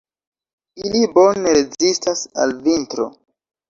Ili bone rezistas al vintro.